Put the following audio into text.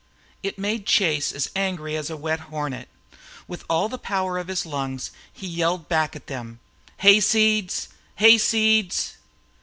It made Chase as angry as a wet hornet. With all the power of his lungs he yelled back at them: "Hayseeds! Hayseeds!"